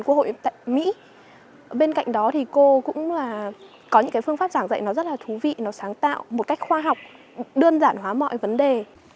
cô hội tại mỹ bên cạnh đó thì cô cũng là có những cái phương pháp giảng dạy nó rất là thú vị nó sáng tạo một cách khoa học đơn giản hóa mọi vấn đề